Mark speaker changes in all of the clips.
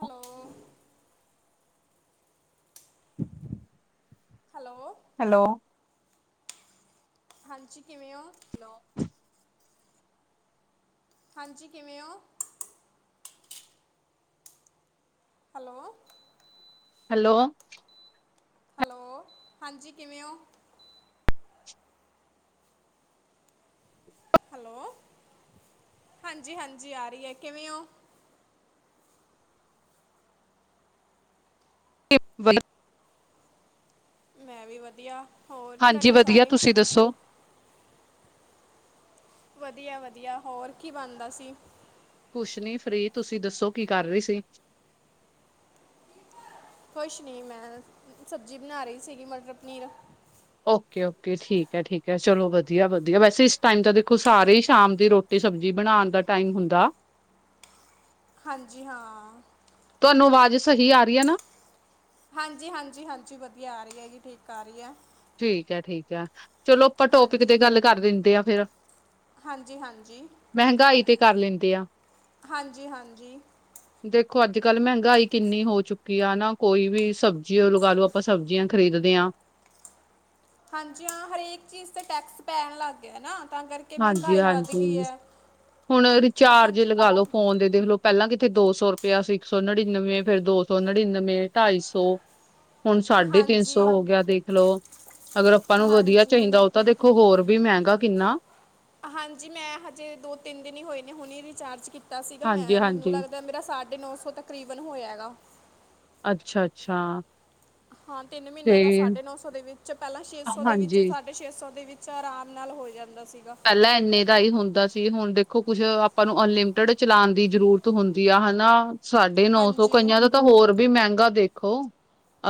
Speaker 1: Hello.
Speaker 2: [inaudible]
Speaker 1: Hello.
Speaker 2: Hello.
Speaker 1: ਹਾਂਜੀ ਕਿਵੇਂ ਹੋ
Speaker 2: ਹੈਲੋ
Speaker 1: ਹਾਂਜੀ ਕਿਵੇਂ ਹੋ ਹੈਲੋ
Speaker 2: ਹੈਲੋ
Speaker 1: ਹੈਲੋ, ਹਾਂਜੀ ਕਿਵੇਂ ਹੋ ਹੈਲੋ, ਹਾਂਜੀ- ਹਾਂਜੀ ਆ ਰਹੀ ਹੈ, ਕਿਵੇਂ ਹੋ
Speaker 2: ਵਲ [unintelligible]
Speaker 1: ਮੈਂ ਵੀ ਵਧੀਆ। ਹੋਰ
Speaker 2: ਹਾਂਜੀ
Speaker 1: ਘਰੇ
Speaker 2: ਵਧੀਆ
Speaker 1: ਸਾਰੇ
Speaker 2: ਤੁਸੀਂ ਦੱਸੋ?
Speaker 1: ਵਧੀਆ ਵਧੀਆ, ਹੋਰ ਕੀ ਬਣਦਾ ਸੀ।
Speaker 2: ਕੁਛ ਨੀ ਫਰੀ, ਤੁਸੀਂ ਦੱਸੋ ਕੀ ਕਰ ਰਹੀ ਸੀ?
Speaker 1: ਕੁੁਛ ਨਹੀਂ, ਮੈਂ ਸਬਜ਼ੀ ਬਣਾ ਰਹੀ ਸੀ। ਮਟਰ ਪਨੀਰ
Speaker 2: ਓਕੇ ਓਕੇ ਠੀਕ ਹੈ, ਠੀਕ ਹੈ, ਚਲੋ ਵਧੀਆ ਵਧੀਆ, ਵੈਸੇ ਇਸ ਟਾਈਮ ਤਾਂ ਦੇਖੋ ਸਾਰੇ ਹੀ ਸ਼ਾਮ ਦੀ ਰੋਟੀ ਰੋਟੀ ਸਬਜ਼ੀ ਬਣਾਉਣ ਦਾ ਟਾਈਮ ਹੁੰਦਾ
Speaker 1: ਹਾਂਜੀ, ਹਾਂ।
Speaker 2: ਤੁਹਾਨੂੰ ਆਵਾਜ਼ ਸਹੀ ਆ ਰਹੀ ਹੈ ਨਾ?
Speaker 1: ਹਾਂਜੀ ਹਾਂਜੀ ਹਾਂਜੀ, ਵਧੀਆ ਆ ਰਹੀ ਹੈ ਜੀ, ਠੀਕ ਆ ਰਹੀ ਹੈ।
Speaker 2: ਠੀਕ ਹੈ ਠੀਕ ਹੈ, ਚਲੋ ਆਪਾਂ ਟੋਪਿਕ ਤੇ
Speaker 1: ਹਾਂਜੀ
Speaker 2: ਗੱਲ ਕਰ ਦਿੰਦੇ ਆਂ, ਫਿਰ
Speaker 1: ਹਾਂਜੀ ਹਾਂਜੀ,
Speaker 2: ਤੇ ਕਰ ਲੈਂਦੇ ਆ
Speaker 1: ਹਾਂਜੀ ਹਾਂਜੀ।
Speaker 2: ਦੇਖੋ ਅੱਜ ਕੱਲ ਮਹਿੰਗਾਈ ਕਿੰਨੀ ਹੋ ਚੁੱਕੀ ਆ, ਨਾ ਕੋਈ ਵੀ ਸਬਜ਼ੀ ਲਗਾ ਲੋ, ਆਪਾਂ ਸਬਜ਼ੀਆਂ ਖਰੀਦਦੇ ਹਾਂ।
Speaker 1: ਹਾਂਜੀ ਹਾਂ, ਹਰੇਕ ਚੀਜ਼ ਤੇ ਟੈਕਸ ਪੈਣ ਲੱਗ ਗਿਆ ਨਾ, ਤਾਂ ਕਰਕੇ
Speaker 2: ਹਾਂਜੀ
Speaker 1: ਮਹਿੰਗਾਈ ਵੱਧ ਗਈ
Speaker 2: ਹਾਂਜੀ,
Speaker 1: ਹੈ
Speaker 2: ਹੁਣ
Speaker 1: ਆਪਾਂ
Speaker 2: ਰਿਚਾਰਜ
Speaker 1: ਚ-
Speaker 2: ਲਗਾਾਲੋ ਫੋਨ ਦੇ ਦੇਖਲੋ ਪਹਿਲਾਂ ਕਿਥੇ ਦੋ ਸੌ ਰੁਪਆ ਸੀ, ਇੱਕ ਸੌ ਨੜਿਨਵੇਂ, ਫਿਰ ਦੋ ਸੌ ਨੜਿਨਵੇਂ, ਢਾਈ ਸੌ ਹੁਣ ਸਾਢੇ ਤਿੰਨ ਸੌ
Speaker 1: ਹਾਂਜੀ
Speaker 2: ਹੋ ਗਿਆ, ਦੇਖ ਲੋ ਅਗਰ ਆਪਾਂ ਨੂੰ ਵਧੀਆ
Speaker 1: ਹਾਂਜੀ
Speaker 2: ਚਾਹੀਦਾ ਤਾਂ ਦੇਖੋ ਹੋਰ ਵੀ ਮਹਿੰਗਾ ਕਿੰਨਾ
Speaker 1: ਹਾਂਜੀ, ਮੈਂ ਹਜੇ ਦੋ ਤਿੰਨ ਦਿਨ ਹੀ ਹੋਏ ਨੇ, ਹੁਣੇ ਹੀ ਰਿਚਾਰਜ ਕੀਤਾ ਸੀਗਾ।
Speaker 2: ਹਾਂਜੀ
Speaker 1: ਮੈਂ ਮੈਨੂੰ
Speaker 2: ਹਾਂਜੀ
Speaker 1: ਲੱਗਦਾ ਮੇਰਾ ਸ ਸਾਢੇ ਨੌ ਸੌ ਤਕਰੀਬਨ ਹੋਇਆ ਹੈਗਾ।
Speaker 2: ਅੱਛਾ ਅੱਛਾ।
Speaker 1: ਹਾਂ ਤਿੰਨ ਮਹੀਨਿਆਂ
Speaker 2: ਤੇ
Speaker 1: ਦਾ ਸਾਢੇ ਨੌ ਸੌ ਦੇ ਵਿੱਚ, ਪਹਿਲਾਂ ਛੇ ਸੌ ਦੇ ਵਿੱਚ ਸਾਡ
Speaker 2: ਹਾਂਜੀ
Speaker 1: ਸਾਢੇ ਛੇ ਸੌ ਦੇ ਵਿੱਚ ਆਰਾਮ ਨਾਲ ਹੋ ਜਾਂਦਾ ਸੀਗਾ
Speaker 2: ਪਹਿਲਾਂ ਇੰਨੇ ਦਾ ਹੀ ਹੁੰਦਾ ਸੀ, ਹੁਣ ਦੇਖੋ ਕੁਛ ਆਪਾਂ ਨੂੰ ਅਨਲਿਮਟਡ ਚਲਾਉਣ ਦੀ ਜ਼ਰੂਰਤ ਹੁੰਦੀ ਆ ਹਨਾ। ਸਾਢੇ ਨੌ ਸੌ,
Speaker 1: ਹਾਂਜੀ
Speaker 2: ਕਈਆਂ ਦਾ ਤਾਂ ਹੋਰ ਵੀ ਮਹਿੰਗਾ ਦੇਖੋ।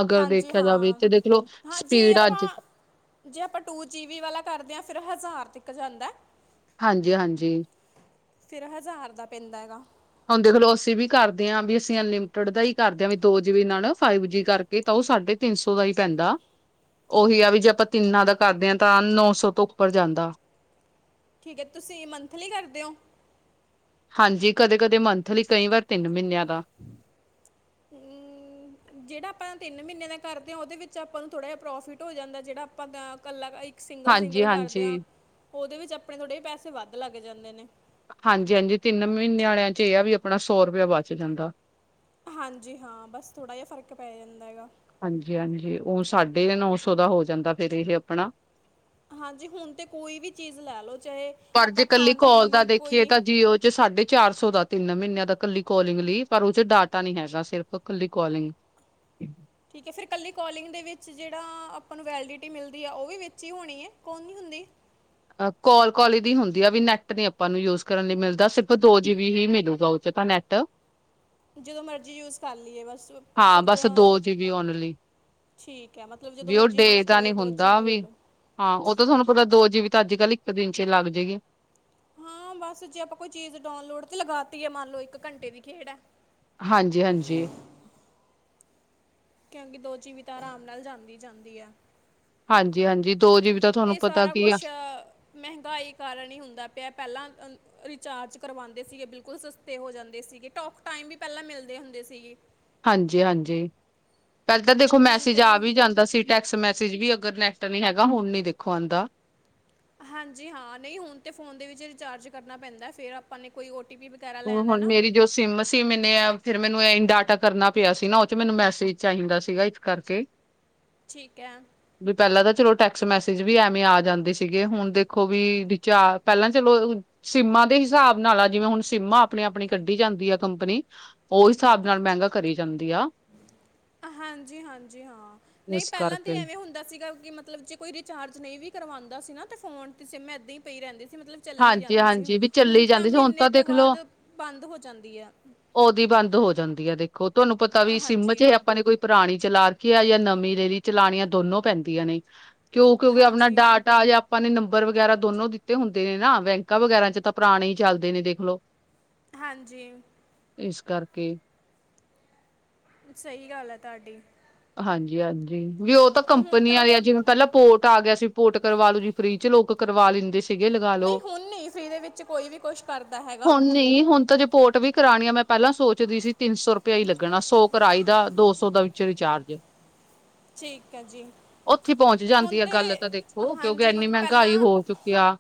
Speaker 2: ਅਗਰ
Speaker 1: ਹਾਂਜੀ
Speaker 2: ਦੇਖਿਆ
Speaker 1: ਹਾਂ
Speaker 2: ਜਾਵੇ, ਤੇ ਦੇਖਲੋ
Speaker 1: ਹਾਂ ਜੇ
Speaker 2: ਸਪੀਡ
Speaker 1: ਆਪਾਂ
Speaker 2: ਅੱਜ ਤ
Speaker 1: ਜੇ ਆਪਾਂ ਟੂ ਜੀ ਬੀ ਵਾਲਾ ਕਰਦੇ ਹਾਂ, ਫਿਰ ਹਜ਼ਾਰ ਤੱਕ ਜਾਂਦਾ
Speaker 2: ਹਾਂਜੀ ਹਾਂਜੀ।
Speaker 1: ਫਿਰ ਹਜ਼ਾਰ ਦਾ ਪੈਂਦਾ ਹੈਗਾ।
Speaker 2: ਹਾਂ ਦੇਖਲੋ ਅਸੀਂ ਵੀ ਕਰਦੇ ਹਾਂ, ਵੀ ਅਸੀਂ ਅਨਲਿਮਟਿਡ ਦਾ ਹੀ ਕਰਦੇ ਹਾਂ, ਵੀ ਦੋ ਜੀ ਬੀ ਨਾਲ ਫਾਈਵ ਜੀ ਕਰਕੇ ਤਾਂ ਉਹ ਸਾਢੇ ਤਿੰਨ ਸੌ ਦਾ ਹੀ ਪੈਂਦਾ। ਉਹੀ ਆ ਵੀ ਜੇ ਆਪਾਂ ਤਿੰਨਾਂ ਦਾ ਕਰਦੇ ਹਾਂ ਤਾਂ ਨੌ ਸੌ ਤੋਂ ਉੱਪਰ ਜਾਂਦਾ।
Speaker 1: ਠੀਕ ਹੈ ਤੁਸੀਂ ਮੰਥਲੀ ਕਰਦੇ ਹੋ?
Speaker 2: ਹਾਂਜੀ, ਕਦੇ ਕਦੇ ਮੰਥਲੀ, ਕਈ ਵਾਰ ਤਿੰਨ ਮਹੀਨਿਆਂ ਦਾ।
Speaker 1: ਹ। ਜਿਹੜਾ ਆਪਾਂ ਤਿੰਨ ਮਹੀਨੇ ਦਾ ਕਰਦੇ ਹਾਂ। ਉਹਦੇ ਵਿੱਚ ਆਪਾਂ ਨੂੰ ਥੋੜਾ ਜਿਹਾ ਪ੍ਰੋਫਿਟ ਹੋ ਜਾਂਦਾ, ਜਿਹੜਾ ਆਪਾਂ ਕੱਲਾ ਸਿੰਗਲ
Speaker 2: ਹਾਂਜੀ
Speaker 1: ਸਿੰਗਲ ਕਰਦੇ
Speaker 2: ਹਾਂਜੀ
Speaker 1: ਹਾਂ, ਉਹਦੇ ਵਿੱਚ ਆਪਣੇ ਥੋੜ੍ਹੇ ਪੈਸੇ ਵੱਧ ਲੱਗ ਜਾਂਦੇ ਨੇ।
Speaker 2: ਹਾਂਜੀ ਹਾਂਜੀ, ਤਿੰਨ ਮਹੀਨਿਆਂ ਵਾਲਿਆਂ ਚ ਇਹ ਆ ਵੀ ਆਪਣਾ ਸੌ ਰੁਪਇਆ ਬਚ ਜਾਂਦਾ।
Speaker 1: ਹਾਂਜੀ, ਹਾਂ, ਬਸ ਥੋੜ੍ਹਾ ਜਿਹਾ ਫਰਕ ਪੈ ਜਾਂਦਾ ਹੈਗਾ‌।
Speaker 2: ਹਾਂਜੀ ਹਾਂਜੀ, ਉਹ ਸਾਢੇ ਨੌ ਸੌ ਦਾ ਹੋ ਜਾਂਦਾ ਫੇਰ ਇਹ ਆਪਣਾ।
Speaker 1: ਹਾਂਜੀ ਹੁਣ ਤੇ ਕੋਈ ਵੀ ਚੀਜ਼ ਲੈ ਲਓ ਚਾਹੇ
Speaker 2: ਪਰ ਜੇ
Speaker 1: ਆਪਾਂ
Speaker 2: ਇਕੱਲੀ
Speaker 1: ਖਾਣ
Speaker 2: ਕਾਲ
Speaker 1: ਪੀਣ
Speaker 2: ਦਾ
Speaker 1: ਲਈ
Speaker 2: ਦੇਖੀਏ
Speaker 1: ਕੋਈ
Speaker 2: ਤਾਂ ਜੀਓ ਉਹ ਸਾਢੇ ਚਾਰ ਸੌ ਦਾ ਤਿੰਨ ਮਹੀਨਿਆਂ ਦਾ, ਕੱਲੀ ਕੋਲਿੰਗ ਲਈ, ਪਰ ਉਹ ਚ ਡਾਟਾ ਨੀ ਹੈਗਾ, ਸਿਰਫ ਕੱਲੀ ਕੋਲਿੰਗ।
Speaker 1: ਠੀਕ ਹੈ, ਫਿਰ ਇਕੱਲੀ ਕੋਲਿੰਗ ਦੇ ਵਿੱਚ ਜਿਹੜਾ ਆਪਾਂ ਨੂੰ ਵੈਲਡਿਟੀ ਮਿਲਦੀ ਆ, ਉਹ ਵੀ ਵਿੱਚ ਹੀ ਹੋਣੀ ਹੈ, ਕੌਣ ਨਹੀਂ ਹੁੰਦੀ।
Speaker 2: ਕੋਲ ਕਾਲ ਇਹਦੀ ਹੁੰਦੀ ਆ ਵੀ ਨੈੱਟ ਨੀ ਆਪਾਂ ਨੂੰ ਯੂਜ ਕਰਨ ਲਈ ਮਿਲਦਾ, ਸਿਰਫ ਦੋ ਜੀਬੀ ਹੀ ਮਿਲੂਗਾ ਉਹ ਚ ਤਾਂ ਨੈੱਟ, ਤੇ
Speaker 1: ਜਦੋਂ ਮਰਜ਼ੀ ਯੂਜ ਕਰ ਲਈਏ ਬਸ।
Speaker 2: ਹਾਂ ਬਸ ਦੋ ਜੀਬੀ ਓਨਲੀ
Speaker 1: ਠੀਕ ਹੈ, ਮਤਲਬ ਜਦੋਂ
Speaker 2: ਵੀ ਉਹ
Speaker 1: ਮਰਜ਼ੀ
Speaker 2: ਡੇ
Speaker 1: ਯੂਜ਼
Speaker 2: ਦਾ ਨੀ
Speaker 1: ਕਰੀਏ ਦੋ ਜੀ
Speaker 2: ਹੁੰਦਾ
Speaker 1: ਵੀ ਮਿਲੋ,
Speaker 2: ਹਾਂ ਉਹ ਤਾਂ ਤੁਹਾਨੂੰ ਪਤਾ ਦੋ ਜੀ ਬੀ ਤਾਂ ਅੱਜ ਕੱਲ੍ਹ ਇੱਕ ਦਿਨ ਚ ਲੱਗ ਜਾਏਗੀ।
Speaker 1: ਹਾਂ ਬਸ ਜੇ ਆਪਾਂ ਕੋਈ ਚੀਜ਼ ਡਾਊਨਲੋਡ ਤੇ ਲਗਾਤੀਏ, ਮੰਨ ਲਓ ਇੱਕ ਘੰਟੇ ਦੀ ਖੇਡ ਹੈ।
Speaker 2: ਹਾਂਜੀ ਹਾਂਜੀ।
Speaker 1: ਕਹਿਣਗੇ ਦੋ ਜੀਵਿ ਤਾਂ ਆਰਾਮ ਨਾਲ ਜਾਂਦੀ ਜਾਂਦੀ ਹੈ।
Speaker 2: ਹਾਂਜੀ ਹਾਂਜੀ। ਦੋ ਜੀਬੀ ਤਾਂ ਤੁਹਾਨੂੰ
Speaker 1: ਇਹ
Speaker 2: ਪਤਾ
Speaker 1: ਸਾਰਾ
Speaker 2: ਕੀ ਆ
Speaker 1: ਕੁਛ ਮਹਿੰਗਾਈ ਕਾਰਨ ਹੀ ਹੁੰਦਾ ਪਿਆ, ਪਹਿਲਾਂ ਰਿਚਾਰਜ ਕਰਵਾਉਂਦੇ ਸੀਗੇ ਬਿਲਕੁਲ ਸਸਤੇ ਹੋ ਜਾਂਦੇ ਸੀਗੇ, ਟੋਕ ਟਾਈਮ ਵੀ ਪਹਿਲਾਂ ਮਿਲਦੇ ਹੁੰਦੇ ਸੀਂ।
Speaker 2: ਹਾਂਜੀ ਹਾਂਜੀ, ਪਹਿਲਾਂ ਤਾਂ ਦੇਖੋ
Speaker 1: ਹੁਣ
Speaker 2: ਮੈਸੇਜ
Speaker 1: ਤੇ
Speaker 2: ਆ ਵੀ ਜਾਂਦਾ ਸੀ। ਟੈਕਸਟ ਮੈਸੇਜ ਵੀ ਅਗਰ ਨੈਟ ਨੀ ਹੈਗਾ, ਹੁਣ ਨੀ ਦੇਖੋ ਆਉਂਦਾ।
Speaker 1: ਹਾਂਜੀ, ਹਾਂ ਨਹੀਂ ਹੁਣ ਤੇ ਫ਼ੋਨ ਦੇ ਵਿੱਚ ਰਿਚਾਰਜ ਕਰਨਾ ਪੈਂਦਾ, ਫੇਰ ਆਪਾਂ ਨੇ ਕੋਈ ਓ ਟੀ ਪੀ
Speaker 2: ਤੂੰ ਹੁਣ ਮੇਰੀ ਜੋ ਸਿਮ ਸੀ, ਮੈਨੇ ਫਿਰ ਮੈਨੂੰ ਇ ਡਾਟਾ ਕਰਨਾ ਪਿਆ ਸੀ ਨਾ, ਉਹ ਚ ਮੈਨੂੰ ਮੈਸੇਜ ਚਾਹੀਦਾ ਸੀਗਾ, ਇਸ ਕਰਕੇ
Speaker 1: ਠੀਕ ਹੈ।
Speaker 2: ਵੀ ਪਹਿਲਾਂ ਤਾਂ ਚਲੋ ਟੈਕਸ ਮੈਸੇਜ ਵੀ ਐਵੇਂ ਆ ਜਾਂਦੇ ਸੀਗੇ। ਹੁਣ ਦੇਖੋ ਵੀ ਪਹਿਲਾਂ ਚਲੋ ਸਿੰਮਾਂ ਦੇ ਹਿਸਾਬ ਨਾਲ ਆ, ਜਿਵੇਂ ਹੁਣ ਸਿੰਮਾ ਆਪਣੀ ਆਪਣੀ ਕੱਢੀ ਜਾਂਦੀ ਆ ਕੰਪਨੀ। ਉਹ ਹਿਸਾਬ ਨਾਲ ਮਹਿੰਗਾ ਕਰੀ ਜਾਂਦੀ ਆ।
Speaker 1: ਹਾਂਜੀ ਹਾਂਜੀ, ਹਾਂ ਨਹੀਂ
Speaker 2: ਇਸ
Speaker 1: ਪਹਿਲਾਂ ਤਾਂ
Speaker 2: ਕਰਕੇ
Speaker 1: ਐਵੇਂ ਹੁੰਦਾ ਸੀਗਾ ਕਿ ਮਤਲਬ ਜ ਕੋਈ ਰਿਚਾਰਜ ਨਹੀਂ ਵੀ ਕਰਵਾਉਂਦਾ ਸੀ ਨਾ, ਤੇ ਫੋਨ ਤੇ ਸਿਮ ਏਦਾਂ ਹੀ ਪਈ ਰਹਿੰਦੀ ਸੀ, ਮਤਲਬ ਚੱਲੀ
Speaker 2: ਹਾਂਜੀ
Speaker 1: ਜਾਂਦੀ ਸੀ,
Speaker 2: ਹਾਂਜੀ ਵੀ
Speaker 1: ਹੁਣ
Speaker 2: ਚੱਲੀ
Speaker 1: ਤਾਂ
Speaker 2: ਜਾਂਦੀ ਸੀ
Speaker 1: ਮਹੀਨੇ ਤੋਂ ਬਾਅਦ
Speaker 2: ਦੇਖਲੋ
Speaker 1: ਬੰਦ ਹੋ ਜਾਂਦੀ ਹੈ।
Speaker 2: ਉਹਦੀ ਬੰਦ ਹੋ ਜਾਂਦੀ ਹੈ, ਦੇਖੋ ਤੁਹਾਨੂੰ ਪਤਾ
Speaker 1: ਅ,
Speaker 2: ਵੀ ਸਿਮ
Speaker 1: ਹਾਂਜੀ
Speaker 2: ਚ ਇਹ ਆਪਾਂ ਨੇ ਕੋਈ ਪੁਰਾਣੀ ਚਲਾਰਕੀ ਆ ਜਾਂ ਨਵੀਂ ਰੀ ਚਲਾਣੀਆਂ ਦੋਨੋਂ ਪੈਂਦੀਆਂ ਨੇ, ਕਿਉ ਕਿਉਂਕਿ ਆਪਣਾ
Speaker 1: ਹਾਂਜੀ
Speaker 2: ਡ ਟਾ ਜਾਂ ਆਪਾਂ ਨੇ ਨੰਬਰ ਵਗੈਰਾ ਦੋਨੋ ਦਿੱਤੇ ਹੁੰਦੇ। ਨੇ ਨਾ ਬੈਂਕਾਂ ਵਗੈਰਾ ਚ ਤਾਂ ਪੁਰਾਣੇ ਹੀ ਚੱਲਦੇ ਨੇ ਦੇਖਲੋ,
Speaker 1: ਹਾਂਜੀ।
Speaker 2: ਇਸ ਕਰਕੇ।
Speaker 1: ਸਹੀ ਗੱਲ ਹੈ, ਤੁਹਾਡੀ।
Speaker 2: ਹਾਂਜੀ ਹਾਂਜੀ, ਵੀ ਉਹ ਤਾਂ
Speaker 1: ਹੁਣ
Speaker 2: ਕੰਪਨੀ
Speaker 1: ਤਾਂ
Speaker 2: ਵਾਲੇ ਆ ਜਿਵੇਂ। ਪਹਿਲਾਂ ਪੋਰਟ ਆ ਗਿਆ ਸੀ। ਪੋਰਟ ਕਰਵਾ ਲੂ ਜੀ ਫਰੀ ਚ੍ ਲੋਕ ਕਰਵਾ ਲੈਂਦੇ ਸੀ। ਸੀਗੇ ਲਗਾ ਲਓ
Speaker 1: ਨਹੀਂ ਹੁਣ ਨਹੀਂ ਫ੍ਰੀ ਦੇ ਵਿੱਚ ਕੋਈ ਵੀ ਕੁਝ ਕਰਦਾ ਹੈਗਾ
Speaker 2: ਹੁਣ ਨਹੀਂ, ਹੁਣ ਤਾਂ ਰਿਪੋਰਟ ਵੀ ਕਰਾਣੀਆਂ ਮੈਂ ਪਹਿਲਾਂ ਸੋਚਦੀ ਸੀ, ਤਿੰਨ ਸੌ ਰੁਪਇਆ ਹੀ ਲੱਗਣਾ ਸੌ ਕਰਾਈ ਦਾ ਦੋ ਸੌ ਦਾ ਵਿੱਚ ਰਿਚਾਰਜ।
Speaker 1: ਠੀਕ ਹੈ ਜੀ
Speaker 2: ਉੱਥੇ ਪਹੁੰਚ
Speaker 1: ਹੁਣ
Speaker 2: ਜਾਂਦੀ ਆ
Speaker 1: ਤੇ
Speaker 2: ਗੱਲ, ਤਾਂ ਦੇਖੋ ਕਿਉਂਕਿ ਇੰਨੀ
Speaker 1: ਹਾਂਜੀ
Speaker 2: ਮਹਿੰਗਾਈ
Speaker 1: ਪਹਿਲਾਂ
Speaker 2: ਹੋ ਚੁੱਕੀ ਕਿਆ,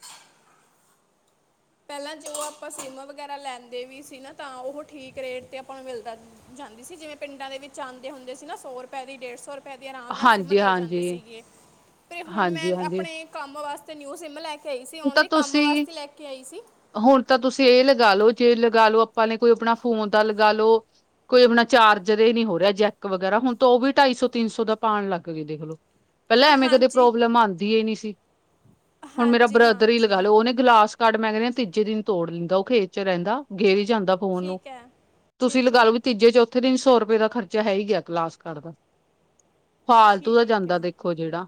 Speaker 1: ਪਹਿਲਾਂ ਜੋ ਆਪਾਂ ਸਿੰਮ ਵਗੈਰਾ ਲੈਂਦੇ ਵੀ ਸੀ ਨਾ, ਤਾਂ ਉਹ ਠੀਕ ਰੇਟ ਤੇ ਆਪਾਂ ਨੂੰ ਮਿਲਦਾ ਸੀ। ਜਾਂਦੀ ਸੀ ਜਿਵੇਂ ਪਿੰਡਾਂ ਦੇ ਵਿੱਚ ਆਉਂਦੇ ਹੁੰਦੇ ਸੀ ਨਾ, ਸੌ ਰੁਪਏ ਦੀ ਡੇਢ ਸੌ ਰੁਪ ਦੇ ਆਰਾਮ ਨਾਲ ਸਿੰਮ ਦੇ ਜਾਂਦੇ
Speaker 2: ਹਾਂਜੀ-ਹਾਂਜੀ,
Speaker 1: ਸੀਗੇ ਤੇ ਹੁਣ ਮੈਂ
Speaker 2: ਹਾਂਜੀ-ਹਾਂਜੀ
Speaker 1: ਆਪਣੇ ਕੰਮ ਵਾਸਤੇ ਨਿਊ ਸਿੰਮ ਲੈ ਕੇ ਆਈ ਸੀ
Speaker 2: ਤਾਂ
Speaker 1: ਓਨਲੀ ਕੰਮ
Speaker 2: ਤੁਸੀਂ
Speaker 1: ਵਾਸਤੇ ਲੈ ਕੇ ਆਈ ਸੀ।
Speaker 2: ਹੁਣ ਤਾਂ ਤੁਸੀਂ ਇਹ ਲਗਾ ਲੋ, ਜੇ ਲਗਾ ਨੇ ਆਪਾਂ ਨੇ ਕੋਈ ਆਪਣਾ ਫੋਨ ਦਾ ਲਗਾ ਲਓ। ਕੋਈ ਆਪਣਾ ਚਾਰਜ ਨੀ ਹੋ ਰਿਹਾ, ਜੈਕ ਵਗੈਰਾ ਹੁਣ ਤਾਂ ਉਹ ਵੀ ਢਾਈ ਸੌ ਤਿੰਨ ਸੌ ਦਾ ਪਾਉਣ ਲੱਗ ਗੇ, ਦੇਖਲੋ ਪਹਿਲਾਂ ਐਵੇਂ ਕਦੇ
Speaker 1: ਹਾਂਜੀ
Speaker 2: ਪ੍ਰੋਬਲਮ ਆਉਂਦੀ ਨੀ ਸੀ, ਹੁਣ ਮੇਰਾ
Speaker 1: ਹਾਂਜੀ
Speaker 2: ਬ੍ਰਦਰ ਹੀ ਲਗਾ
Speaker 1: ਹਾਂਜੀ
Speaker 2: ਲਓ ਉਹਨੇ ਗਲਾਸ ਕਾਰਡ ਮੈਂ ਕਹਿੰਦੇ, ਤੀਜੇ ਦਿਨ ਤੋੜ ਲੈਂਦਾ, ਉਹ ਖੇਤ ਚ ਰਹਿੰਦਾ ਗੇਿਰ ਜਾਂਦਾ। ਫੋਨ ਨੂੰ,
Speaker 1: ਠੀਕ ਹੈ
Speaker 2: ਤੁਸੀਂ
Speaker 1: ਠੀਕ
Speaker 2: ਲਗਾ
Speaker 1: ਹੈ
Speaker 2: ਲਓ ਵੀ ਤੀਜੇ ਚੌਥੇ ਤਿੰਨ ਸੌ ਰੁਪਏ ਦਾ ਖਰਚਾ ਹੈ ਹੀ ਗਿਆ ਕਲਾਸ ਕਾਰਡ ਦਾ। ਫਾਲਤੂ ਦਾ
Speaker 1: ਠੀਕ
Speaker 2: ਜਾਂਦਾ
Speaker 1: ਹੈ
Speaker 2: ਦੇਖੋ ਜਿਹੜਾ,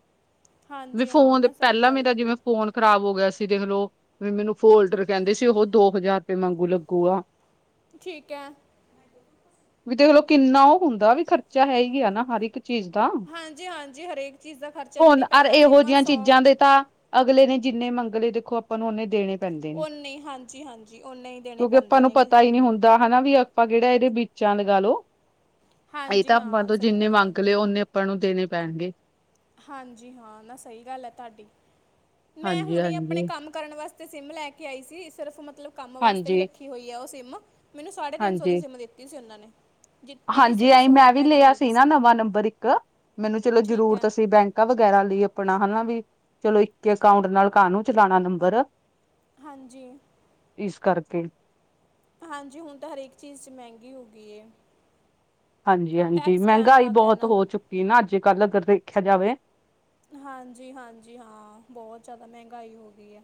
Speaker 2: ਵੀ
Speaker 1: ਹਾਂਜੀ ਹਾਂ
Speaker 2: ਫੋਨ,
Speaker 1: ਨਾ ਸਹੀ
Speaker 2: ਪਹਿਲਾਂ
Speaker 1: ਗੱਲ
Speaker 2: ਮੇਰਾ
Speaker 1: ਹੈ
Speaker 2: ਜਿਵੇਂ ਫੋਨ ਖਰਾਬ ਹੋਗਿਆ ਸੀ ਦੇਖ ਲਓ। ਵੀ ਮੈਨੂੰ ਫੋਲਡਰ ਕਹਿੰਦੇ ਸੀ। ਉਹ ਦੋ ਹਜ਼ਾਰ ਰੁਪਏ ਮਾਂਗੂ ਲੱਗੂਗਾ।
Speaker 1: ਠੀਕ ਐ।
Speaker 2: ਵੀ ਦੇਖਲੋ ਕਿੰਨਾ ਉਹ ਹੁੰਦਾ ਵੀ ਖਰਚਾ ਹੈ ਈ ਐ ਨਾ ਹਰ ਇੱਕ ਚੀਜ਼ ਦਾ।
Speaker 1: ਹਾਂਜੀ ਹਾਂਜੀ ਹਰੇਕ ਚੀਜ਼ ਦਾ ਖਰਚਾ
Speaker 2: ਹੁਣ
Speaker 1: ਜਿਹੜੀ
Speaker 2: ਅਰ
Speaker 1: ਪਹਿਲਾਂ
Speaker 2: ਇਹੋ
Speaker 1: ਸਿਮ
Speaker 2: ਜਿਹੀਆਂ ਚੀਜ਼ਾਂ ਦੇ ਤਾਂ ਅਗਲੇ ਨੇ ਜਿੰਨੇ ਮੰਗਲੇ ਦੇਖੋ ਆਪਾਂ ਨੂੰ ਦੇਣੇ ਪੈਂਦੇ ਨੇ।
Speaker 1: ਓਨੇ ਹੀ ਹਾਂਜੀ ਹਾਂਜੀ ਓਨੇ ਹੀ ਦੇਣੇ
Speaker 2: ਕਿਉਂਕਿ ਅਪਾਂ
Speaker 1: ਪੈਂਦੇ
Speaker 2: ਨੂੰ
Speaker 1: ਨੇਗੇ
Speaker 2: ਪਤਾ ਈ ਨੀ ਹੁੰਦਾ। ਦਾ ਹਨਾ ਵੀ ਅਪਾ ਕਿਹੜਾ ਇਹਦੇ ਵਿਚ ਆ ਲਗਾ ਲਓ। ਅਈ
Speaker 1: ਹਾਂਜੀ
Speaker 2: ਤਾਂ ਅਪਾਂ
Speaker 1: ਹਾਂ
Speaker 2: ਤੋਂ
Speaker 1: ਸਹੀ
Speaker 2: ਜਿੰਨੇ
Speaker 1: ਗੱਲ ਹੈ
Speaker 2: ਮੰਗ ਲਏ, ਓਨੇ ਆਪਾਂ ਨੂੰ ਦੇਣੇ ਪੈਣਗੇ।
Speaker 1: ਹਾਂਜੀ ਹਾਂ ਨਾ ਸਈ ਗੱਲ ਐ ਤਾਡੀ। ਮੈਂ
Speaker 2: ਹਾਂਜੀ
Speaker 1: ਹੁਣੇ ਆਪਣੇ
Speaker 2: ਹਾਂਜੀ।
Speaker 1: ਕੰਮ ਕਰਨ ਵਾਸਤੇ ਸਿਮ ਲੈ ਕੇ ਆਈ ਸੀ। ਸਿਰਫ ਮਤਲਬ ਕੰਮ ਵਾਸਤੇ ਹੀ
Speaker 2: ਹਾਂਜੀ
Speaker 1: ਰੱਖੀ ਹੋਈ ਐ ਉਹ ਸਿਮ। ਮੈਨੂੰ ਸਾਢੇ ਤਿੰਨ ਸੌ ਦੀ
Speaker 2: ਹਾਂਜੀ
Speaker 1: ਸਿਮ ਦਿੱਤੀ ਸੀ ਉਹਨਾਂ ਨੇ। ਜਿ- ਜਿਹੜੀ
Speaker 2: ਹਾਂਜੀ,
Speaker 1: ਸਿਮ
Speaker 2: ਐਈ ਮੈਂ ਵੀ
Speaker 1: ਰੁਪਏ ਦੀ
Speaker 2: ਲਿਆ
Speaker 1: ਮਿਲਦੀ
Speaker 2: ਸੀ ਨਾ ਨਵਾਂ ਨੰਬਰ ਇੱਕ। ਮੈਨੂੰ ਚਲੋ
Speaker 1: ਠੀਕ
Speaker 2: ਜਰੂਰਤ
Speaker 1: ਹੈ
Speaker 2: ਸੀ ਬੈਂਕ ਕ ਵਗੈਰਾ ਲਈ ਆਪਣਾ ਹਨਾ ਵੀ, ਚਲੋ ਇੱਕ ਅਕਾਊਂਟ ਨਾਲ ਕਾਨੂੰ ਚਲਾਣਾ ਨੰਬਰ।
Speaker 1: ਹਾਂਜੀ।
Speaker 2: ਇਸ ਕਰਕੇ।
Speaker 1: ਹਾਂਜੀ, ਹੁਣ ਤਾਂ ਹਰੇਕ ਚੀਜ਼ 'ਚ ਮਹਿੰਗੀ ਹੋ ਗਈ ਏ।
Speaker 2: ਹਾਂਜੀ-ਹਾਂਜੀ।
Speaker 1: ਟੈਕਸ ਪੈਣ
Speaker 2: ਮਹਿੰਗਾਈ
Speaker 1: ਲੱਗ ਗਿਆ
Speaker 2: ਬਹੁਤ
Speaker 1: ਨਾ
Speaker 2: ਹੋ ਚੁੱਕੀ ਨਾ ਅੱਜ ਕੱਲ੍ਹ ਅਗਰ ਦੇਖਿਆ ਜਾਵੇ।
Speaker 1: ਹਾਂਜੀ-ਹਾਂਜੀ ਹਾਂ। ਬਹੁਤ ਜ਼ਿਆਦਾ ਮਹਿੰਗਾਈ ਹੋ ਗਈ ਐ।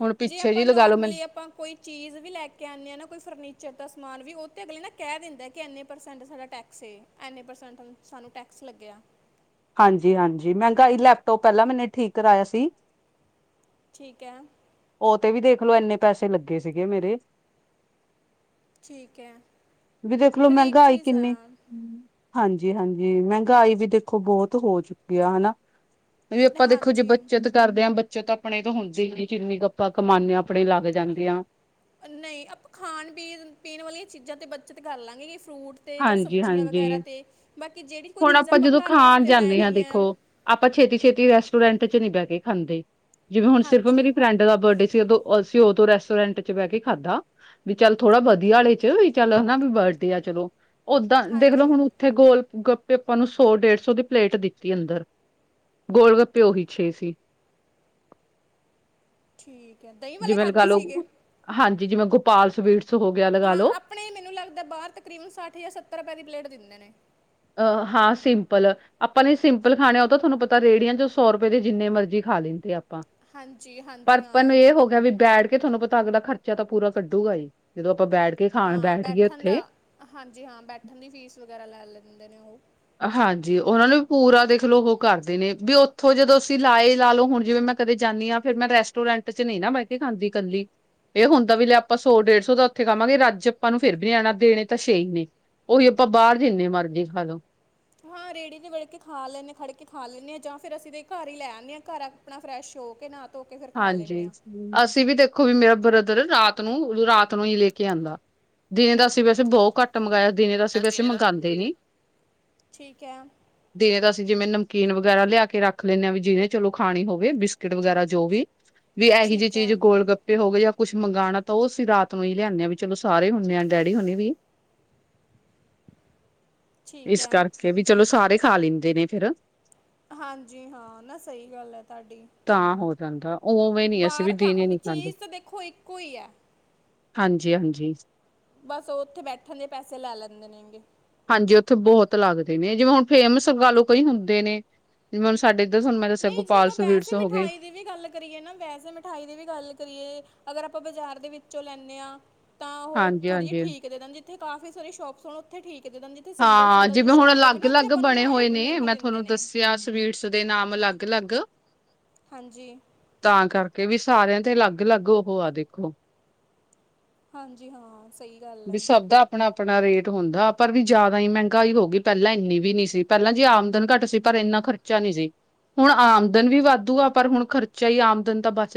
Speaker 2: ਹੁਣ
Speaker 1: ਜੇ
Speaker 2: ਪਿੱਛੇ ਜੀ
Speaker 1: ਆਪਾਂ
Speaker 2: ਲਗਾ ਲੋ ਮੈਨੂੰ
Speaker 1: ਨੋਰਮਲੀ ਅਪਾ ਕੋਈ ਚੀਜ਼ ਵੀ ਲੈ ਕੇ ਆਣੇ ਆ ਨਾ ਕੋਈ ਫਰਨੀਚਰ ਦਾ ਸਮਾਨ ਵੀ ਉਹ ਤੇ ਅਗਲੇ ਨਾ ਕਹਿ ਦਿੰਦਾ ਕਿ ਇੰਨੇ ਪਰਸੈਂਟ ਸਾਡਾ ਟੈਕ ਸੇ। ਐਨੇ ਪ੍ਰਸੈਂਟ ਸਾਨੂੰ ਟੈਕਸ ਲੱਗਿਆ।
Speaker 2: ਹਾਂਜੀ-ਹਾਂਜੀ। ਮਹਿੰਗਾਈ ਲੈਪਟੋਪ ਪਹਿਲਾਂ ਮੈਨੇ ਠੀਕ ਕਰਾਇਆ ਸੀ।
Speaker 1: ਠੀਕ ਹੈ।
Speaker 2: ਉਹ ਤੇ ਵੀ ਦੇਖਲੋ, ਐਨੇ ਪੈਸੇ ਲੱਗੇ ਸੀਗੇ ਮੇਰੇ।
Speaker 1: ਠੀਕ ਹੈ
Speaker 2: ਵੀ ਦੇਖਲੋ
Speaker 1: ਹਰੇਕ
Speaker 2: ਮਹਿੰਗਾਈ
Speaker 1: ਚੀਜ਼ ਆ
Speaker 2: ਕਿੰਨੀ ਹਾਂਜੀ-ਹਾਂਜੀ। ਮਹਿੰਗਾਈ ਵੀ ਦੇਖੋ ਬਹੁਤ ਹੋ ਚੁੱਕੀ ਆ ਹਨਾ। ਵੀ ਅਪਾ ਦੇਖੋ ਜੇ
Speaker 1: ਹਾਂਜੀ
Speaker 2: ਬੱਚਤ ਕਰਦੇ ਆ ਬੱਚਤ, ਆਪਣੇ ਤੋਂ ਹੁੰਦੇ ਨੀ ਜਿੰਨੀ ਕ ਅਪਾ ਕਮਾਨੇ ਆ ਅਪਣੇ ਈ ਲੱਗ ਜਾਂਦਿਆ।
Speaker 1: ਅ ਨਈ। ਅਪਾ ਖਾਣ ਪੀਣ-ਪੀਣ ਵਾਲੀਆਂ ਚੀਜ਼ਾਂ ਤੇ ਬੱਚਤ ਕਰ ਲਾਂਗੇ ਜ ਫਰੂਟ ਤੇ ਜਾਂ
Speaker 2: ਹਾਂਜੀ
Speaker 1: ਸਬਜ਼ੀਆਂ
Speaker 2: ਹਾਂਜੀ
Speaker 1: ਵਗੈਰਾ ਤੇ। ਬਾਕੀ ਜਿਹੜੀ ਕੋਈ
Speaker 2: ਹੁਣ
Speaker 1: ਚੀਜ਼ ਆਪਾਂ
Speaker 2: ਜਦੋਂ
Speaker 1: ਘਰ
Speaker 2: ਖਾਣ
Speaker 1: ਵਾਸਤੇ
Speaker 2: ਜਾਂਦੇ ਹਾਂ
Speaker 1: ਲੈਣੀ ਆ।
Speaker 2: ਦੇਖੋ ਆਪਾਂ ਛੇਤੀ-ਛੇਤੀ ਰੈਸਟੋਰੈਂਟ 'ਚ ਨੀ ਬਹਿ ਕੇ ਖਾਂਦੇ, ਜਿਵੇਂ ਹੁਣ ਸਿਰਫ
Speaker 1: ਹਾਂਜੀ
Speaker 2: ਮੇਰੀ ਫਰੈਂਡ ਜਦੋ ਬਡੇ ਸੀ ਉਹਦਾ, ਉਦੋਂ ਅਸੀਂ ਉਦੋਂ ਰੈਸਟੋਰੈਂਟ 'ਚ ਬਹਿ ਕੇ ਖਾਧਾ, ਵੀ ਚੱਲ, ਥੋੜਾ ਵਧੀਆ ਵਾਲੇ 'ਚ ਤੇ ਵੀ ਚੱਲ ਹਨਾ ਵੀ ਬਡੇ ਆ ਚਲੋ। ਓਦਾਂ, ਦੇਖਲੋ
Speaker 1: ਹਾਂਜੀ
Speaker 2: ਹੁਣ ਉੱਥੇ ਗੋਲ ਗੱਪ ਪੇ ਅਪਾ ਨੂੰ, ਸੌ ਡੇਢ ਸੌ ਦੀ ਪਲੇਟ ਦਿੱਤੀ ਅੰਦਰ। ਗੋਲ ਗੱਪੇ ਉਹੀ ਛੇ ਸੀ।
Speaker 1: ਠੀਕ ਐ। ਦਹੀਂ ਵਾਲੇ
Speaker 2: ਜਿਵੇਂ ਲਗਾ
Speaker 1: ਖਾਧੇ ਸੀਗੇ?
Speaker 2: ਲਓ ਹਾਂਜੀ, ਜਿਵੇਂ ਗੋਪਾਲ ਸਵੀਟਸ ਹੋ ਗਿਆ, ਲਗਾ ਲਓ।
Speaker 1: ਅਪਣੇ, ਮੈਨੂੰ ਲੱਗਦਾ ਬਾਹਰ ਤਕਰੀਬਨ ਸੱਠ ਜਾਂ ਸੱਤਰ ਰੁਪਏ ਦੀ ਪਲੇਟ ਦਿੰਦੇ ਨੇ।
Speaker 2: ਅ, ਹਾਂ ਸਿੰਪਲ। ਆਪਾਂ ਨੇ ਸਿੰਪਲ ਖਾਣੇ ਉਹ ਤਾਂ ਤੁਹਾਨੂੰ ਪਤਾ ਰੇਹੜੀਆਂ 'ਚੋਂ ਸੌ ਰੁਪਏ ਦੇ ਜਿੰਨੇ ਮਰਜ਼ੀ ਖਾ ਲੈਂਦੇ ਆ। ਆਪਾ,
Speaker 1: ਹਾਂਜੀ
Speaker 2: ਪਰ
Speaker 1: ਹਾਂਜੀ
Speaker 2: ਅਪਾ ਨੂੰ
Speaker 1: ਹਾਂ
Speaker 2: ਇਹ ਹੋ ਗਿਆ ਵੀ ਬੈਠ ਕੇ ਤੁਹਾਨੂੰ ਪਤ ਤਾ ਅਗਲਾ ਖਰਚਾ ਤਾਂ ਪੂਰਾ ਕੱਢੂਗਾ ਈ। ਜਦੋਂ ਆਪਾਂ ਬੈਡ
Speaker 1: ਹਾਂ ਬੈਠਣ ਦਾ, ਹਾਂਜੀ ਹਾਂ ਬੈਠਣ ਦੀ ਫੀਸ ਵਗੈਰਾ ਲੈ ਲੈਂਦੇ ਨੇ ਉਹ।
Speaker 2: ਹਾਂਜੀ। ਉਹਨਾਂ ਨੂੰ ਵੀ ਪੂਰਾ ਦੇਖਲਓ ਉਹ ਕਰਦੇ ਨੇ, ਵੀ ਉੱਥੋਂ ਜਦੋਂ ਅਸੀਂ ਲਾਏ ਲਾ ਲਓ ਹੁਣ ਜਿਵੇਂ ਮੈਂ ਕਦੇ ਜਾਣੀ ਆ। ਫੇਰ ਮੈਂ ਰੈਸਟੋਰੈਂਟ ਚ ਨੀ ਨਾ ਬਹਿ ਕੇ ਖਾਂਦੀ ਕੱਲੀ। ਇਹ ਹੁੰਦਾ ਵੀ ਲੈ ਆਪਾਂ ਸੌ ਡੇਢ ਸੌ ਦਾ ਉੱਥੇ ਖਾਂਵਾਂਗੇ, ਰੱਜ ਆਪਾਂ ਨੂੰ ਫੇਰ ਵੀ ਨੀ ਆਣਾ। ਦੇਣੇ ਤਾਂ ਛੇ ਈ ਨੇ। ਉਹੀ ਆਪਾਂ ਬਾਹਰ ਜਿੰਨੇ ਮਰਜ਼ੀ ਖਾਲੋ।
Speaker 1: ਹਾਂ ਰੇਹੜੀ ਤੇ ਵਿਲ ਕੇ ਖਾ ਲੈਣੇ ਖੜ ਕੇ ਖਾ ਲੈਣੇ ਹਾਂ ਜਾਂ ਫਿਰ ਅਸੀਂ ਤੇ ਘਰ ਈ ਲੈ ਆਣੇ ਆ ਘਰ ਆਪਣਾ ਫਰੈਸ਼ ਹੋ ਕੇ ਨਾ
Speaker 2: ਹਾਂਜੀ। ਅਸੀਂ ਵੀ ਦੇਖੋ ਵੀ ਮੇਰਾ ਬ੍ਰਦਰ ਰਾਤ ਨੂੰ ਰਾਤ ਨੂੰ ਈ ਲੈ ਕੇ ਆਂਦਾ। ਦੀਨੇ ਦਸ ਤੀ ਵੈਸੇ ਬਹੁਤ ਘੱਟ ਮੰਗਾਇਆ। ਦਿਨੇ ਦਾ ਅਸੀਂ ਵੈਸੇ
Speaker 1: ਦਿਨੇ ਦਾ
Speaker 2: ਮੰਗਾਂਦੇ ਨੀ।
Speaker 1: ਠੀਕ ਹੈ
Speaker 2: ਦਿਨੇ ਤਾਂ ਅਸੀਂ ਜਿਵੇਂ ਨਮਕੀਨ ਵਗੈਰਾ ਲਿਆ ਕੇ ਰੱਖ ਲੈਂਦੇ ਹਾਂ, ਵੀ ਜਿਹਨੇ ਚਲੋ ਖਾਣੀ ਹੋਵੇ ਬਿਸਕਿਟ ਵਗੈਰਾ ਜੋ ਵੀ। ਵੀ ਇਹੋ ਜਿਹੀ
Speaker 1: ਠੀਕ
Speaker 2: ਚੀਜ਼
Speaker 1: ਹੈ
Speaker 2: ਗੋਲ ਗੱਪੇ। ਤੇ ਹੋ ਗਏ ਜਾਂ ਕੁਛ ਮੰਗਵਾਉਣਾ ਤਾਂ ਉਹ ਅਸੀਂ ਰਾਤ ਨੂੰ ਹੀ ਲਿਆਦੇ ਹਾਂ ਵੀ ਚਲੋ ਸਾਰੇ ਹੁੰਦੇ ਆ ਡੈਡੀ ਹੁਣੀ ਵੀ। [inaudible]
Speaker 1: ਠੀਕ
Speaker 2: ਇਸ
Speaker 1: ਹੈ
Speaker 2: ਕਰਕੇ ਵੀ ਚਲੋ ਸਾਰੇ ਖਾ ਲੈਂਦੇ ਨੇ ਫੇਰ।
Speaker 1: ਹਾਂਜੀ ਹਾਂ, ਨਾ ਸਹੀ ਗੱਲ ਹੈ ਤੁਹਾਡੀ।
Speaker 2: ਤਾਂ ਹੋ ਜਾਂਦਾ, ਉਵੇਂ ਨੀ ਅਸੀਂ ਵੀ
Speaker 1: ਬਾਹਰ ਖਾ
Speaker 2: ਦਿਨੇ‌ ਨੀ ਖਾਂਦੇ।
Speaker 1: ਚੀਜ਼ ਤਾਂ ਦੇਖੋ ਇੱਕੋ ਹੀ ਹੈ
Speaker 2: ਹਾਂਜੀ ਹਾਂਜੀ।
Speaker 1: ਬਸ ਉਹ ਉੱਥੇ ਬੈਠਣ ਦੇ ਪੈਸੇ ਲੈ ਲੈਂਦੇ ਨੇਗੇ਼।
Speaker 2: ਹਾਂਜੀ ਉੱਥੇ ਬਹੁਤ ਲੱਗਦੇ ਨੇ, ਜਿਵੇਂ ਹੁਣ ਫੇਮਸ ਗੱਲ ਕਈ ਹੁੰਦੇ ਨੇ। ਜਿਵੇਂ ਹੁਣ ਸਾਡੇ ਇੱਧਰ ਨਾ, ਮੈਂ ਦੱਸਿਆ
Speaker 1: ਨਹੀਂ ਜੀ
Speaker 2: ਗੋਪਾਲ
Speaker 1: ਆਪਾਂ ਵੈਸੇ
Speaker 2: ਸਵੀਟਸ ਹੋ ਗਏ।
Speaker 1: ਮਿਠਾਈ ਦੀ ਵੀ ਗੱਲ ਕਰੀਏ ਨਾ ਵੈਸੇ ਮਿਠਾਈ ਦੀ ਵੀ ਗੱਲ ਕਰੀਏ ਅਗਰ ਆਪਾਂ ਬਾਜ਼ਾਰ ਦੇ ਵਿੱਚੋਂ ਲੈਂਦੇ ਹਾਂ। ਤਾਂ ਉਹ
Speaker 2: ਹਾਂਜੀ
Speaker 1: ਥੋੜੀ ਜਿਹੀ
Speaker 2: ਹਾਂਜੀ
Speaker 1: ਠੀਕ ਦੇ‌ ਦਿਦੇ, ਜਿੱਥੇ ਕਾਫੀ ਸਾਰੇ ਸ਼ੋਪਸ ਹੋਣ ਉੱਥੇ ਠੀਕ ਦੇ ਦਿੰਦੀ।
Speaker 2: ਹਾਂ ਜਿਵੇਂ ਹੁਣ ਅਲੱਗ ਅਲੱਗ ਬਣੇ
Speaker 1: ਮਿਠਾਈ
Speaker 2: ਹੋਏ
Speaker 1: ਵੀ
Speaker 2: ਨੇ,
Speaker 1: ਮਹਿੰਗੀ
Speaker 2: ਮੈਂ
Speaker 1: ਦਿੰਦੇ
Speaker 2: ਤੁਹਾਨੂੰ
Speaker 1: ਨੇ
Speaker 2: ਦੱਸਿਆ ਸੀ। ਸਵੀਟਸ ਦੇ ਨਾਮ ਅਲੱਗ ਅਲੱਗ।
Speaker 1: ਹਾਂਜੀ।
Speaker 2: ਤਾਂ ਕਰਕੇ ਵੀ ਸਾਰਿਆਂ ਤੇ ਅਲੱਗ ਅਲੱਗ ਉਹ ਆ ਦੇਖੋ।
Speaker 1: ਹਾਂਜੀ ਹਾਂ। ਸਹੀ ਗੱਲ ਹੈ
Speaker 2: ਸਭ ਦਾ ਆਪਣਾ। ਹੁਣ ਆਪਣਾ ਰੇਟ ਹੁੰਦਾ, ਪਰ ਵੀ ਜਿਆਦਾ ਹੀ ਮਹਿੰਗਾਈ ਹੋ ਗਈ, ਪਹਿਲਾਂ ਇੰਨੀ ਵੀ ਨੀ ਸੀ। ਪਹਿਲਾਂ ਜੀ ਆਮਦਨ ਘੱਟ ਸੀ ਪਰ ਇੰਨਾ ਖਰਚਾ। ਖਰਚਾ ਨੀ ਸੀ, ਹੁਣ ਆਮਦਨ ਵੀ ਵਾਧੂ ਆ ਪਰ ਹੁਣ ਖਰਚਾ ਹੀ ਆਮਦਨ ਤਾਂ ਬਸ।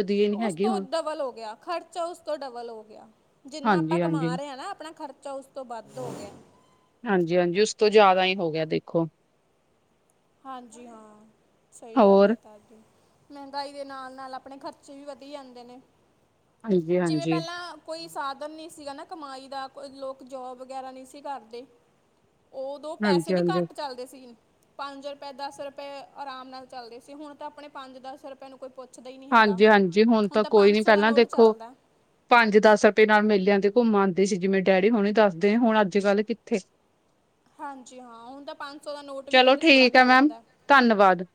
Speaker 1: ਉਸ ਤੋਂ ਡਬਲ ਹੋ ਗਿਆ, ਖ਼ਰਚਾ ਉਸ ਤੋਂ ਡਬਲ ਹੋ ਗਿਆ। ਜਿੰਨਾ ਆਪਾਂ ਕਮਾ
Speaker 2: ਹਾਂਜੀ-ਹਾਂਜੀ।
Speaker 1: ਰਹੇ ਹਾਂ, ਨਾ ਆਪਣਾ ਖਰਚਾ ਉਸ ਤੋਂ ਵੱਧ ਹੋ ਗਿਆ।
Speaker 2: ਹਾਂਜੀ ਹਾਂਜੀ, ਉਸ ਤੋਂ ਜ਼ਿਆਦਾ ਹੀ ਹੋ ਗਿਆ ਦੇਖੋ।
Speaker 1: ਹਾਂਜੀ ਹਾਂ, ਸਹੀ ਗੱਲ ਹੈ
Speaker 2: ਹੋਰ
Speaker 1: ਤੁਹਾਡੀ। ਮਹਿੰਗਾਈ ਦੇ ਨਾਲ ਨਾਲ ਆਪਣੇ ਖਰਚੇ ਵੀ ਵਧੀ ਜਾਂਦੇ ਨੇ, ਜਿਵੇਂ
Speaker 2: ਹਾਂਜੀ-ਹਾਂਜੀ।
Speaker 1: ਪਹਿਲਾਂ। ਕੋਈ ਸਾਧਨ ਨਹੀਂ ਸੀਗਾ ਨਾ ਕਮਾਈ ਦਾ ਕੋਈ ਲੋਕ ਜੋਬ ਵਗੈਰਾ ਨਹੀਂ ਸੀ ਕਰਦੇ। ਉਦੋ ਪੈਸੇ ਵੀ
Speaker 2: ਹਾਂਜੀ-ਹਾਂਜੀ,
Speaker 1: ਘੱਟ ਚੱਲਦੇ ਸੀ। ਪੰਜ ਰੁਪਏ ਦਸ ਰੁਪਏ ਆਰਾਮ ਨਾਲ ਚੱਲਦੇ ਸੀ, ਹੁਣ ਤਾਂ ਆਪਣੇ ਪੰਜ ਦਸ ਰੁਪਏ ਨੂੰ ਕੋਈ ਪੁੱਛਦਾ ਨਹੀਂ। ਹੀ ਹੈਗਾ
Speaker 2: ਹਾਂਜੀ ਹਾਂਜੀ, ਹੁਣ ਤਾਂ ਕੋਈ ਨੀ
Speaker 1: ਦਾ
Speaker 2: ਪਹਿਲਾਂ
Speaker 1: ਨੋਟ
Speaker 2: ਦੇਖੋ।
Speaker 1: ਚੱਲਦਾ
Speaker 2: ਪੰਜ ਦਸ ਰੁਪਏ ਨਾਲ ਮੇਲਿਆਂ ਤੇ ਘੁੰਮ ਆਉਂਦੇ ਸੀ, ਜਿਵੇਂ ਡੈਡੀ ਹੁਣੀ ਦੱਸਦੇ ਹੁਣ ਅੱਜ ਕੱਲ੍ਹ ਕਿੱਥੇ।
Speaker 1: ਹਾਂਜੀ ਹਾਂ, ਹੁਣ ਤਾਂ ਪੰਜ ਸੌ ਦਾ ਨੋਟ ਵੀ
Speaker 2: ਚਲੋ
Speaker 1: ਕਹਿੰਦੇ ਥੋੜ੍ਹਾ
Speaker 2: ਠੀਕ ਐ
Speaker 1: ਪੈ
Speaker 2: ਮੈਮ
Speaker 1: ਜਾਂਦਾ ਹੈ।
Speaker 2: ਧੰਨਵਾਦ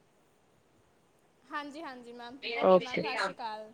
Speaker 1: ਹਾਂਜੀ ਹਾਂਜੀ, ਮੈਮ ਓਕੇ ਮੈਮ ਸਤਿ ਸ਼੍ਰੀ ਅਕਾਲ।